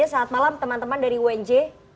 selamat malam teman teman dari unj